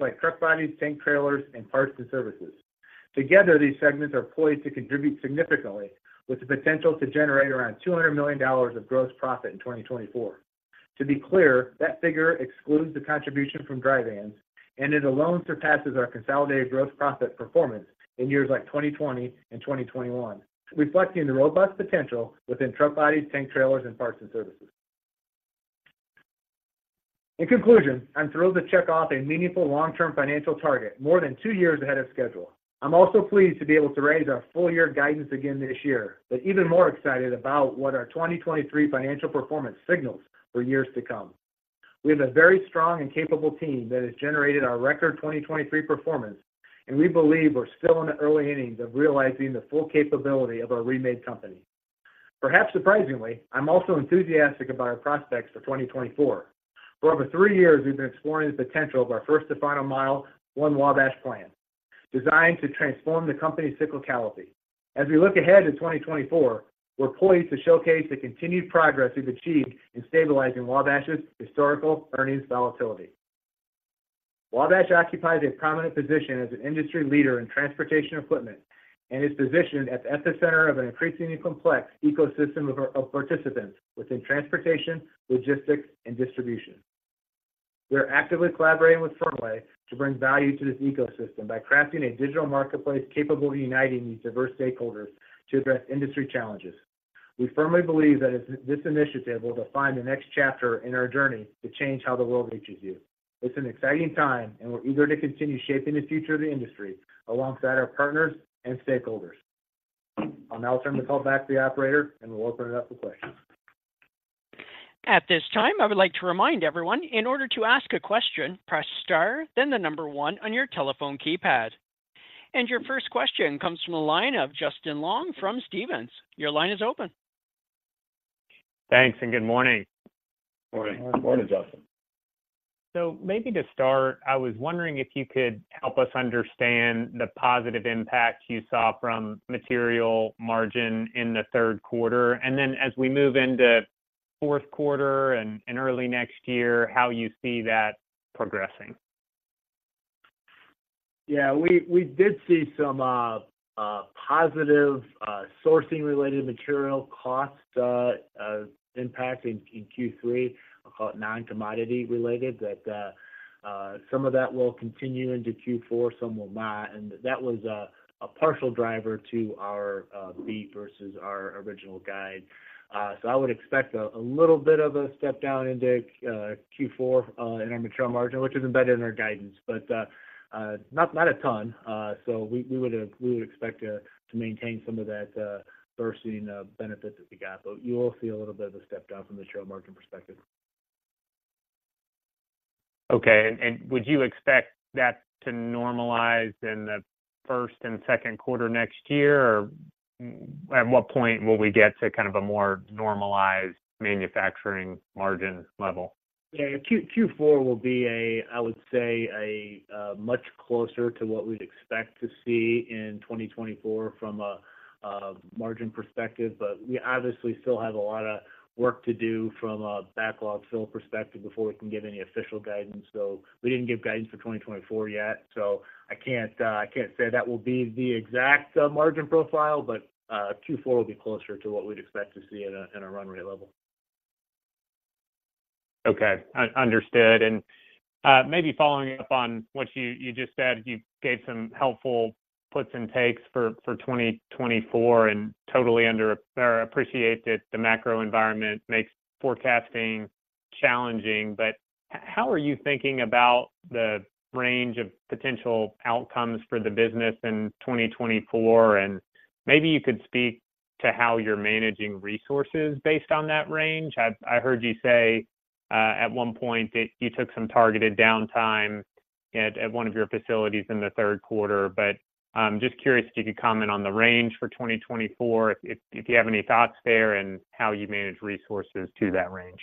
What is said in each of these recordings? like truck bodies, tank trailers, and parts and services. Together, these segments are poised to contribute significantly, with the potential to generate around $200 million of gross profit in 2024. To be clear, that figure excludes the contribution from dry vans, and it alone surpasses our consolidated gross profit performance in years like 2020 and 2021, reflecting the robust potential within truck bodies, tank trailers, and parts and services. In conclusion, I'm thrilled to check off a meaningful long-term financial target, more than two years ahead of schedule. I'm also pleased to be able to raise our full year guidance again this year, but even more excited about what our 2023 financial performance signals for years to come. We have a very strong and capable team that has generated our record 2023 performance, and we believe we're still in the early innings of realizing the full capability of our remade company. Perhaps surprisingly, I'm also enthusiastic about our prospects for 2024. For over three years, we've been exploring the potential of our First to Final Mile, One Wabash plan, designed to transform the company's cyclicality. As we look ahead to 2024, we're poised to showcase the continued progress we've achieved in stabilizing Wabash's historical earnings volatility. Wabash occupies a prominent position as an industry leader in transportation equipment and is positioned at the epicenter of an increasingly complex ecosystem of participants within transportation, logistics, and distribution. We are actively collaborating with [Fern] to bring value to this ecosystem by crafting a digital marketplace capable of uniting these diverse stakeholders to address industry challenges. We firmly believe that this, this initiative will define the next chapter in our journey to change how the world reaches you. It's an exciting time, and we're eager to continue shaping the future of the industry alongside our partners and stakeholders. I'll now turn the call back to the operator, and we'll open it up for questions. At this time, I would like to remind everyone, in order to ask a question, press star, then the number one on your telephone keypad. Your first question comes from the line of Justin Long from Stephens. Your line is open. Thanks, and good morning. Morning. Good morning, Justin. Maybe to start, I was wondering if you could help us understand the positive impact you saw from material margin in the third quarter, and then as we move into fourth quarter and early next year, how you see that progressing? Yeah, we did see some positive sourcing-related material cost impact in Q3, non-commodity related, that some of that will continue into Q4, some will not. And that was a partial driver to our beat versus our original guide. So I would expect a little bit of a step down into Q4 in our material margin, which is embedded in our guidance, but not a ton. So we would expect to maintain some of that sourcing benefit that we got. But you will see a little bit of a step down from the material margin perspective. Okay. And would you expect that to normalize in the first and second quarter next year? Or at what point will we get to kind of a more normalized manufacturing margin level? Yeah, Q4 will be, I would say, much closer to what we'd expect to see in 2024 from a margin perspective. But we obviously still have a lot of work to do from a backlog fill perspective before we can give any official guidance. So we didn't give guidance for 2024 yet, so I can't say that will be the exact margin profile, but Q4 will be closer to what we'd expect to see at a runway level. Okay. Understood. And maybe following up on what you just said, you gave some helpful puts and takes for 2024, and totally understand or appreciate that the macro environment makes forecasting challenging. But how are you thinking about the range of potential outcomes for the business in 2024? And maybe you could speak to how you're managing resources based on that range. I heard you say at one point that you took some targeted downtime at one of your facilities in the third quarter, but I'm just curious if you could comment on the range for 2024, if you have any thoughts there, and how you manage resources to that range.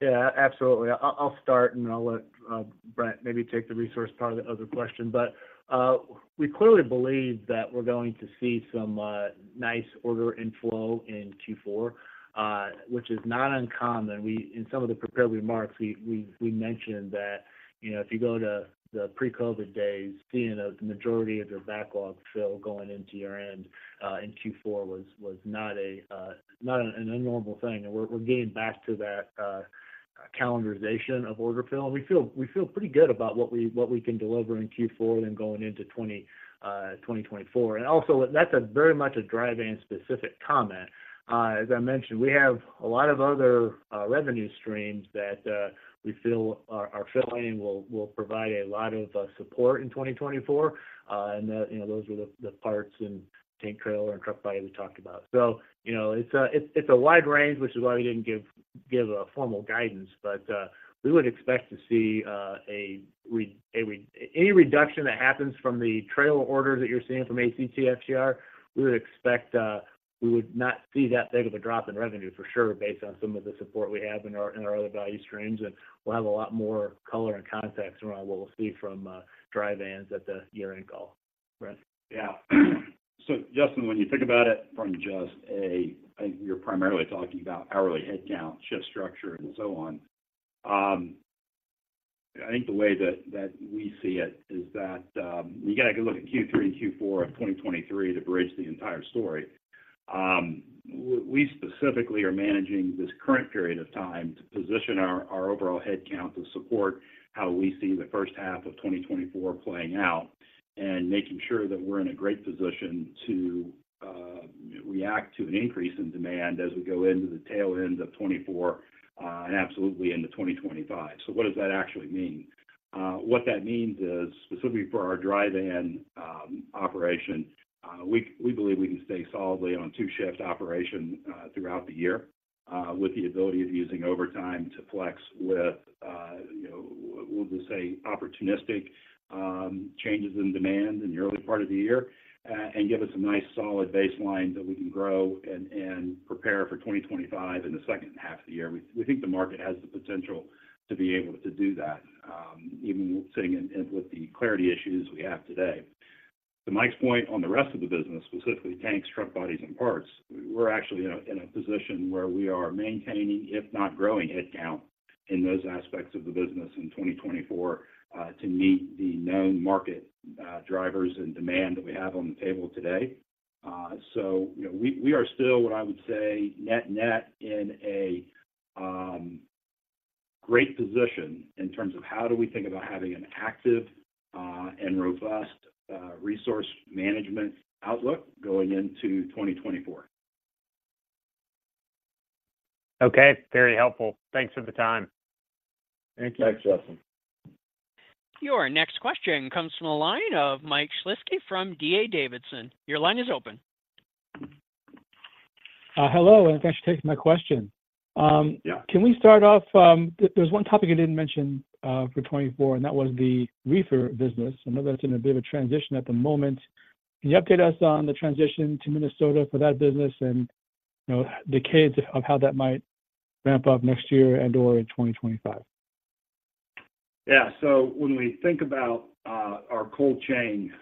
Yeah, absolutely. I'll start, and I'll let Brent maybe take the resource part of the other question. But we clearly believe that we're going to see some nice order inflow in Q4, which is not uncommon. In some of the prepared remarks, we mentioned that, you know, if you go to the pre-COVID days, seeing the majority of your backlog fill going into year-end in Q4 was not an abnormal thing. And we're getting back to that calendarization of order fill. We feel pretty good about what we can deliver in Q4 and going into 2024. And also, that's a very much a dry van specific comment. As I mentioned, we have a lot of other revenue streams that we feel are filling and will provide a lot of support in 2024. And you know, those are the parts and tank trailer and truck body we talked about. So, you know, it's a wide range, which is why we didn't give a formal guidance. But we would expect to see any reduction that happens from the trailer orders that you're seeing from ACT/FTR, we would expect we would not see that big of a drop in revenue for sure, based on some of the support we have in our other value streams. And we'll have a lot more color and context around what we'll see from dry vans at the year-end call.... Yeah. So Justin, when you think about it from just a, I think you're primarily talking about hourly headcount, shift structure, and so on. I think the way that we see it is that you gotta go look at Q3 and Q4 of 2023 to bridge the entire story. We specifically are managing this current period of time to position our overall headcount to support how we see the first half of 2024 playing out, and making sure that we're in a great position to react to an increase in demand as we go into the tail end of 2024, and absolutely into 2025. So what does that actually mean? What that means is, specifically for our dry van operation, we believe we can stay solidly on two-shift operation throughout the year, with the ability of using overtime to flex with, you know, we'll just say opportunistic changes in demand in the early part of the year. And give us a nice, solid baseline that we can grow and prepare for 2025 in the second half of the year. We think the market has the potential to be able to do that, even sitting in with the clarity issues we have today. To Mike's point on the rest of the business, specifically tanks, truck bodies, and parts, we're actually in a position where we are maintaining, if not growing, headcount in those aspects of the business in 2024, to meet the known market drivers and demand that we have on the table today. So, you know, we are still, what I would say, net-net in a great position in terms of how we think about having an active and robust resource management outlook going into 2024. Okay, very helpful. Thanks for the time. Thank you. Thanks, Justin. Your next question comes from the line of Mike Shlisky from D.A. Davidson. Your line is open. Hello, and thanks for taking my question. Yeah. Can we start off? There's one topic you didn't mention for 2024, and that was the reefer business. I know that's in a bit of a transition at the moment. Can you update us on the transition to Minnesota for that business? You know, the cadence of how that might ramp up next year and/or in 2025. Yeah. So when we think about our cold chain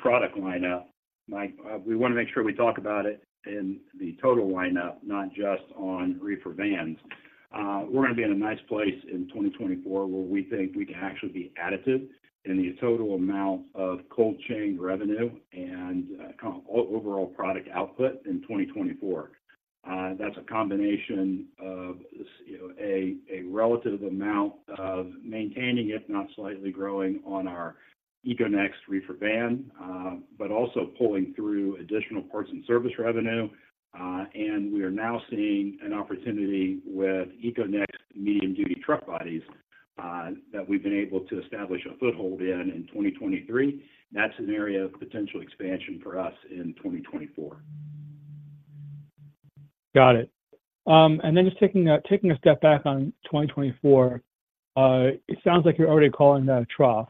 product lineup, Mike, we wanna make sure we talk about it in the total lineup, not just on reefer vans. We're gonna be in a nice place in 2024, where we think we can actually be additive in the total amount of cold chain revenue and kind of overall product output in 2024. That's a combination of you know, a relative amount of maintaining, if not slightly growing, on our EcoNex Reefer Van, but also pulling through additional parts and service revenue. And we are now seeing an opportunity with EcoNex medium-duty truck bodies that we've been able to establish a foothold in in 2023. That's an area of potential expansion for us in 2024. Got it. Then just taking a step back on 2024, it sounds like you're already calling that a trough.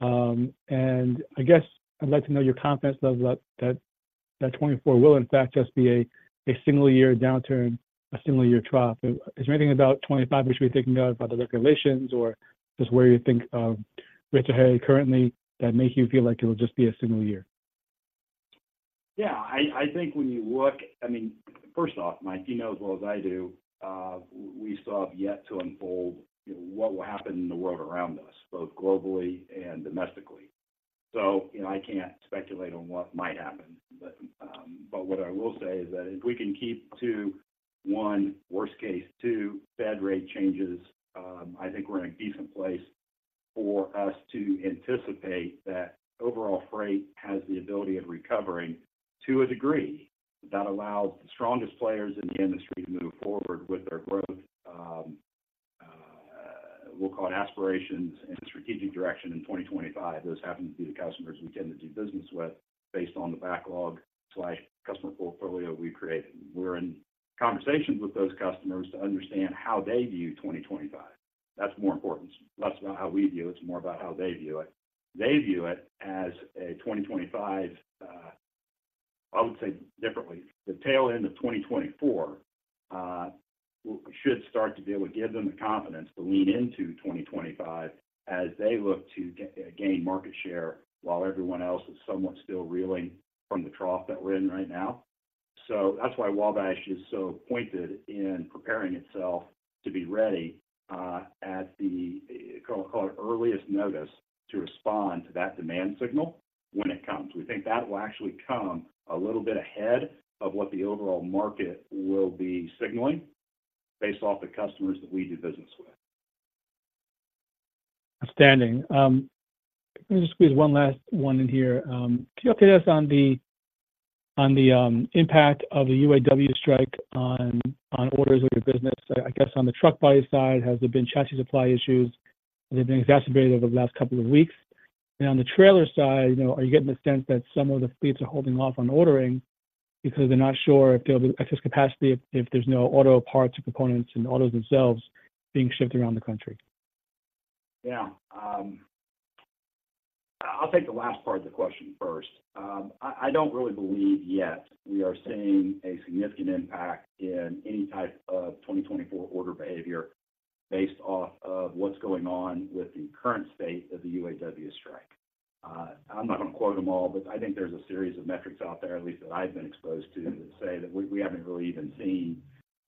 I guess I'd like to know your confidence level that 2024 will in fact just be a single year downturn, a single year trough. Is there anything about 2025 we should be thinking of, about the regulations or just where you think rates are headed currently, that make you feel like it'll just be a single year? Yeah, I think when you look, I mean, first off, Mike, you know as well as I do, we still have yet to unfold, you know, what will happen in the world around us, both globally and domestically. So, you know, I can't speculate on what might happen, but, but what I will say is that if we can keep to one, worst case, two, Fed rate changes, I think we're in a decent place for us to anticipate that overall freight has the ability of recovering to a degree that allows the strongest players in the industry to move forward with their growth, we'll call it aspirations, and strategic direction in 2025. Those happen to be the customers we tend to do business with, based on the backlog slash customer portfolio we've created. We're in conversations with those customers to understand how they view 2025. That's more important. It's less about how we view it, it's more about how they view it. They view it as a 2025, I would say differently, the tail end of 2024, should start to be able to give them the confidence to lean into 2025 as they look to gain market share, while everyone else is somewhat still reeling from the trough that we're in right now. So that's why Wabash is so pointed in preparing itself to be ready, at the earliest notice, to respond to that demand signal when it comes. We think that will actually come a little bit ahead of what the overall market will be signaling, based off the customers that we do business with. Outstanding. Let me just squeeze one last one in here. Can you update us on the impact of the UAW strike on orders of your business? I guess on the truck body side, has there been chassis supply issues? Has it been exacerbated over the last couple of weeks? And on the trailer side, you know, are you getting the sense that some of the fleets are holding off on ordering because they're not sure if there'll be excess capacity, if there's no auto parts or components and autos themselves being shipped around the country? Yeah. I'll take the last part of the question first. I don't really believe yet we are seeing a significant impact in any type of 2024 order behavior based off of what's going on with the current state of the UAW strike. I'm not gonna quote them all, but I think there's a series of metrics out there, at least that I've been exposed to, that say that we haven't really even seen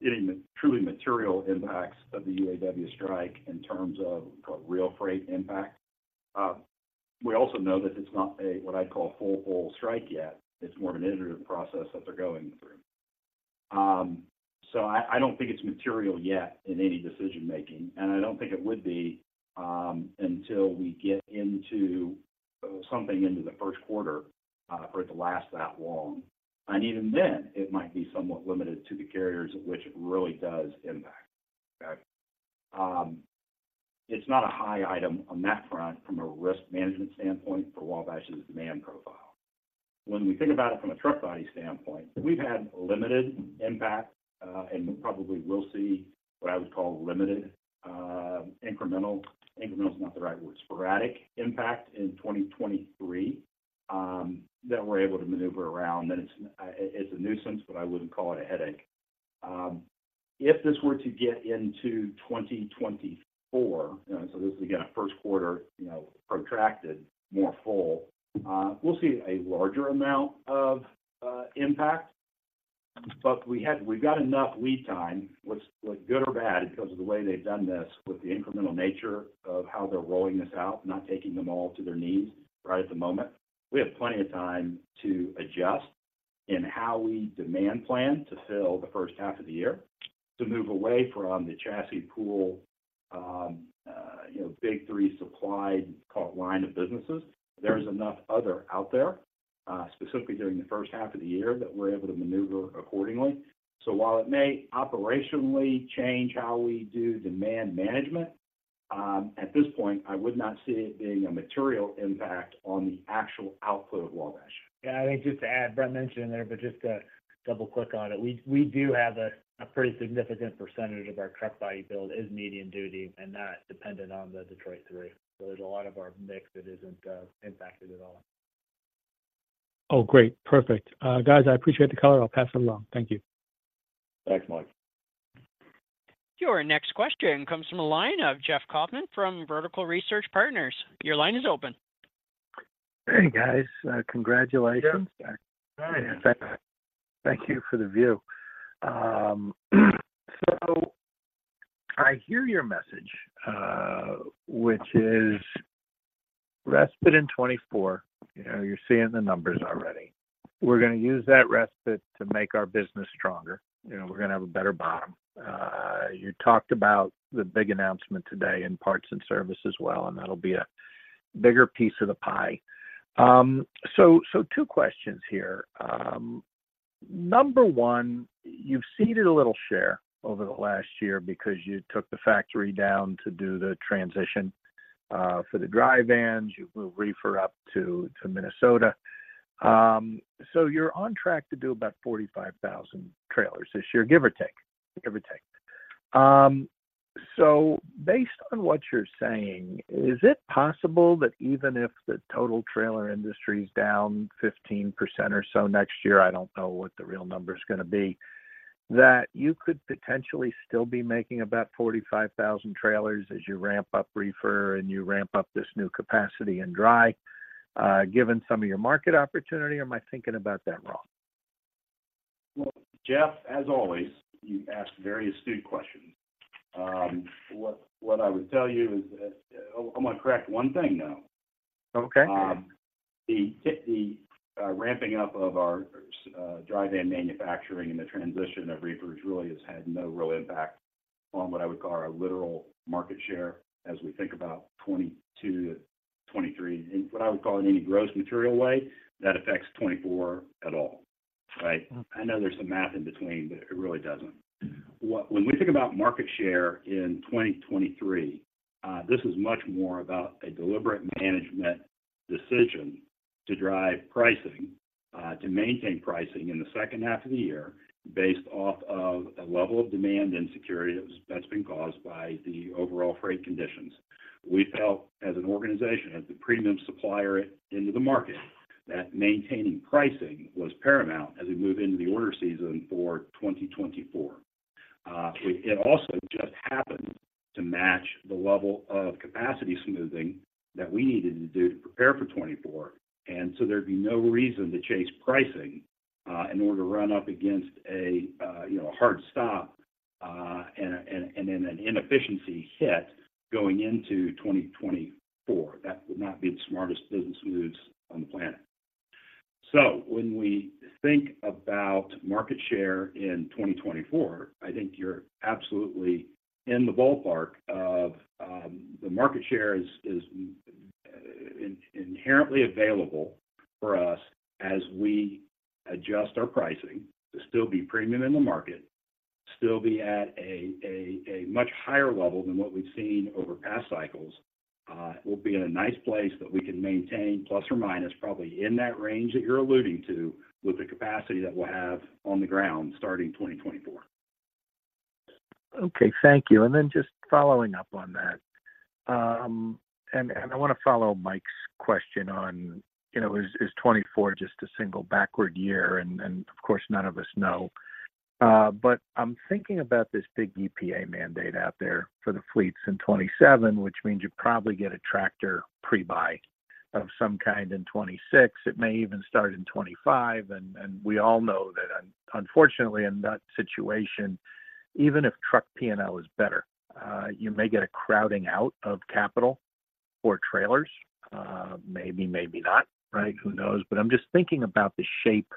any truly material impacts of the UAW strike in terms of real freight impact. We also know that it's not a, what I'd call, full-blown strike yet. It's more of an iterative process that they're going through. So I don't think it's material yet in any decision-making, and I don't think it would be until we get into something into the first quarter for it to last that long. Even then, it might be somewhat limited to the carriers, which it really does impact. Okay? It's not a high item on that front from a risk management standpoint for Wabash's demand profile. When we think about it from a truck body standpoint, we've had limited impact, and probably will see what I would call limited, incremental. Incremental is not the right word, sporadic impact in 2023 that we're able to maneuver around. Then it's a nuisance, but I wouldn't call it a headache. If this were to get into 2024, and so this is again, a first quarter, you know, protracted, more full, we'll see a larger amount of impact, but we've got enough lead time, which, like, good or bad, because of the way they've done this, with the incremental nature of how they're rolling this out, not taking them all to their knees right at the moment. We have plenty of time to adjust in how we demand plan to fill the first half of the year, to move away from the chassis pool, you know, Big Three supplied line of businesses. There's enough other out there, specifically during the first half of the year, that we're able to maneuver accordingly. So while it may operationally change how we do demand management, at this point, I would not see it being a material impact on the actual output of Wabash. Yeah, I think just to add, Brent mentioned it there, but just to double-click on it, we do have a pretty significant percentage of our truck body build is medium duty, and not dependent on the Detroit Three. So there's a lot of our mix that isn't impacted at all. Oh, great. Perfect. Guys, I appreciate the color. I'll pass it along. Thank you. Thanks, Mike. Your next question comes from the line of Jeff Kauffman from Vertical Research Partners. Your line is open. Hey, guys, congratulations. Yeah. Hi. Thank you for the view. So I hear your message, which is respite in 2024. You know, you're seeing the numbers already. We're gonna use that respite to make our business stronger. You know, we're gonna have a better bottom. You talked about the big announcement today in Parts and Services as well, and that'll be a bigger piece of the pie. So two questions here. Number one, you've ceded a little share over the last year because you took the factory down to do the transition for the dry vans. You moved reefer up to Minnesota. So you're on track to do about 45,000 trailers this year, give or take, give or take. So based on what you're saying, is it possible that even if the total trailer industry is down 15% or so next year, I don't know what the real number is gonna be, that you could potentially still be making about 45,000 trailers as you ramp up reefer and you ramp up this new capacity in dry, given some of your market opportunity, or am I thinking about that wrong? Well, Jeff, as always, you ask very astute questions. What I would tell you is that. I'm gonna correct one thing, though. Okay. The ramping up of our dry van manufacturing and the transition of reefers really has had no real impact on what I would call our literal market share as we think about 2022-2023, in what I would call in any gross material way, that affects 2024 at all, right? Okay. I know there's some math in between, but it really doesn't. When we think about market share in 2023, this is much more about a deliberate management decision to drive pricing, to maintain pricing in the second half of the year, based off of a level of demand insecurity that's been caused by the overall freight conditions. We felt as an organization, as the premium supplier into the market, that maintaining pricing was paramount as we move into the order season for 2024. It also just happened to match the level of capacity smoothing that we needed to do to prepare for 2024, and so there'd be no reason to chase pricing, in order to run up against a, you know, a hard stop, and then an inefficiency hit going into 2024. That would not be the smartest business moves on the planet. So when we think about market share in 2024, I think you're absolutely in the ballpark of, the market share is inherently available for us as we adjust our pricing to still be premium in the market, still be at a much higher level than what we've seen over past cycles. We'll be in a nice place that we can maintain, plus or minus, probably in that range that you're alluding to, with the capacity that we'll have on the ground starting 2024. Okay, thank you. Then just following up on that. I want to follow Mike's question on, you know, is 2024 just a single backward year, and of course, none of us know. But I'm thinking about this big EPA mandate out there for the fleets in 2027, which means you probably get a tractor pre-buy of some kind in 2026. It may even start in 2025, and we all know that, unfortunately, in that situation, even if truck P&L is better, you may get a crowding out of capital for trailers. Maybe not, right? Who knows? But I'm just thinking about the shape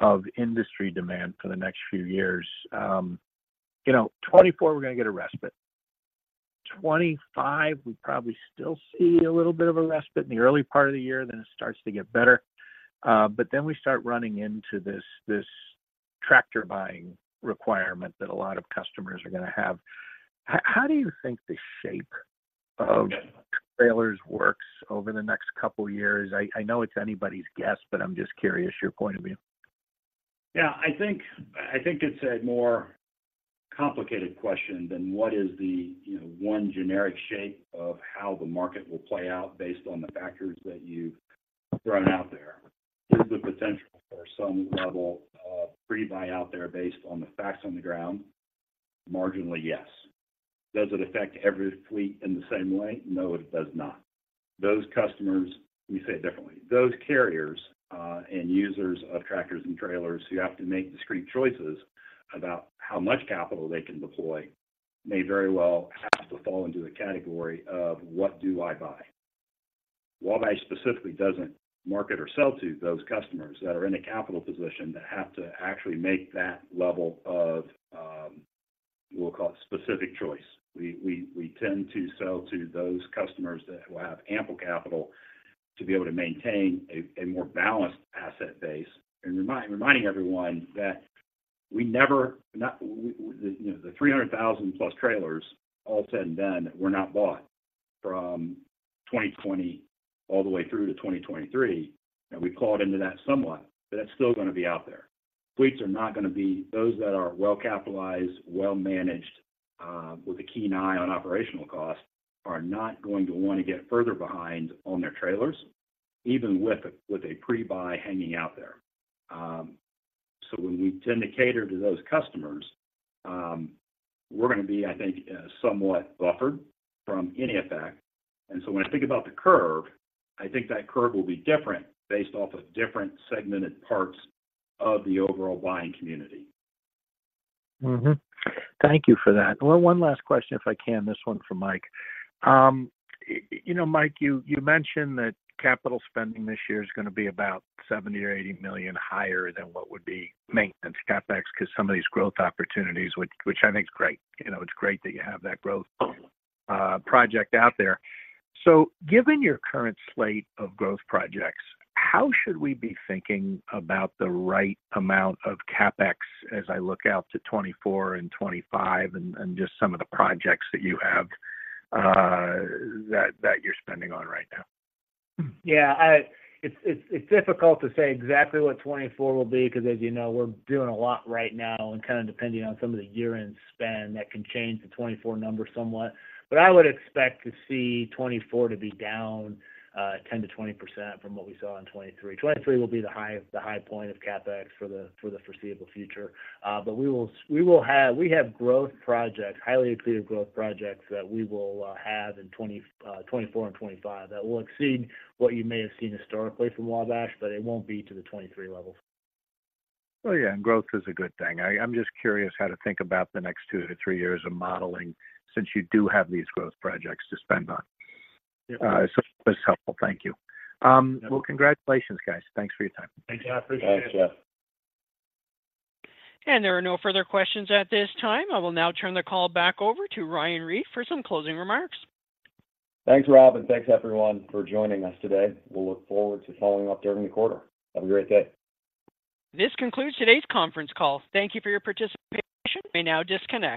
of industry demand for the next few years. You know, 2024, we're going to get a respite. 2025, we probably still see a little bit of a respite in the early part of the year, then it starts to get better. But then we start running into this, this tractor buying requirement that a lot of customers are going to have. How do you think the shape of trailers works over the next couple of years? I know it's anybody's guess, but I'm just curious your point of view. Yeah, I think, I think it's a more complicated question than what is the, you know, one generic shape of how the market will play out based on the factors that you've thrown out there. There's the potential for some level of pre-buy out there based on the facts on the ground. Marginally, yes. Does it affect every fleet in the same way? No, it does not. Those customers, let me say it differently, those carriers, and users of tractors and trailers who have to make discrete choices about how much capital they can deploy, may very well have to fall into a category of what do I buy? Wabash specifically doesn't market or sell to those customers that are in a capital position that have to actually make that level of, we'll call it specific choice. We tend to sell to those customers that will have ample capital to be able to maintain a more balanced asset base. Reminding everyone that we never, the, you know, the 300,000+ trailers, all said and done, were not bought from 2020 all the way through to 2023, and we clawed into that somewhat, but that's still going to be out there. Fleets are not going to be those that are well-capitalized, well-managed, with a keen eye on operational costs, are not going to want to get further behind on their trailers, even with a pre-buy hanging out there. So when we tend to cater to those customers, we're going to be, I think, somewhat buffered from any effect. And so when I think about the curve, I think that curve will be different based off of different segmented parts of the overall buying community. Thank you for that. Well, one last question, if I can, this one for Mike. You know, Mike, you mentioned that capital spending this year is going to be about $70 million-$80 million higher than what would be maintenance CapEx, because some of these growth opportunities, which I think is great. You know, it's great that you have that growth project out there. So given your current slate of growth projects, how should we be thinking about the right amount of CapEx as I look out to 2024 and 2025, and just some of the projects that you have that you're spending on right now? Yeah, it's difficult to say exactly what 2024 will be, because as you know, we're doing a lot right now, and kind of depending on some of the year-end spend, that can change the 2024 number somewhat. But I would expect to see 2024 to be down 10%-20% from what we saw in 2023. 2023 will be the high, the high point of CapEx for the foreseeable future. But we will have growth projects, highly accretive growth projects that we will have in 2024 and 2025 that will exceed what you may have seen historically from Wabash, but it won't be to the 2023 levels. Well, yeah, and growth is a good thing. I, I'm just curious how to think about the next two to three years of modeling since you do have these growth projects to spend on. Yeah. So it was helpful. Thank you. Well, congratulations, guys. Thanks for your time. Thanks, Jeff. Thanks, Jeff. There are no further questions at this time. I will now turn the call back over to Ryan Reed for some closing remarks. Thanks, Rob, and thanks everyone for joining us today. We'll look forward to following up during the quarter. Have a great day. This concludes today's conference call. Thank you for your participation. You may now disconnect.